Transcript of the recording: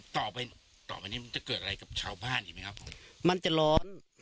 ต่อไปต่อไปนี้มันจะเกิดอะไรกับชาวบ้านอีกไหมครับผมมันจะร้อน